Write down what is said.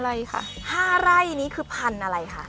อะไรค่ะ๕ไร่นี้คือพันธุ์อะไรคะ